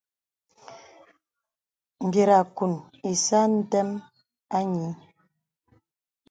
Mbir àkuŋ ìsə adəm anyì.